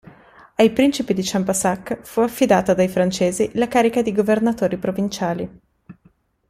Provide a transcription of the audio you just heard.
Ai principi di Champasak fu affidata dai francesi la carica di governatori provinciali.